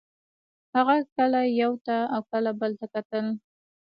هغه کله یو ته او کله بل ته کتل